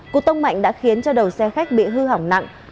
cú tông mạnh đã khiến cho đầu xe khách bị hư hỏng nặng